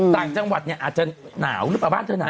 ต่างจังหวัดเนี่ยอาจจะหนาวหรือเปล่าบ้านเธอหนาว